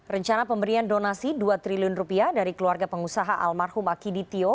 rencana pemberian donasi dua triliun rupiah dari keluarga pengusaha almarhum akidi tio